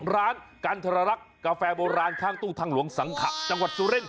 ร้านกันทรรักษ์กาแฟโบราณข้างตู้ทางหลวงสังขะจังหวัดสุรินท